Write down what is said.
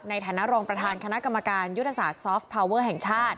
ในฐานะรองประธานคณะกรรมการยุทธศาสตร์ซอฟพาวเวอร์แห่งชาติ